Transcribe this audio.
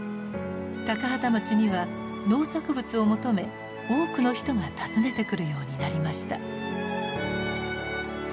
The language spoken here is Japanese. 高畠町には農作物を求め多くの人が訪ねてくるようになりました。